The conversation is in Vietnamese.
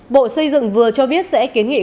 bộ xây dựng vừa cho biết sẽ kiến nghị